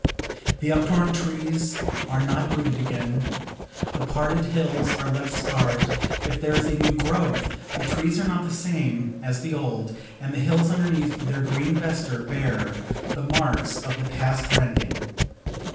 The uptorn trees are not rooted again; the parted hills are left scarred; if there is a new growth, the trees are not the same as the old, and the hills underneath their green vesture bear the marks of the past rending.